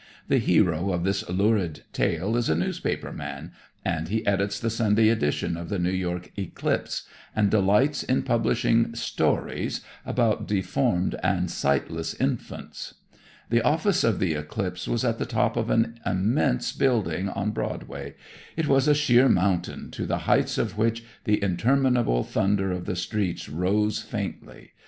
The hero of this lurid tale is a newspaper man, and he edits the Sunday edition of the New York "Eclipse," and delights in publishing "stories" about deformed and sightless infants. "The office of the 'Eclipse' was at the top of an immense building on Broadway. It was a sheer mountain to the heights of which the interminable thunder of the streets rose faintly.